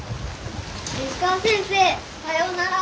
石川先生さようなら。